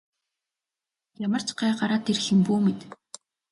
Ямар ч гай гараад ирэх юм бүү мэд.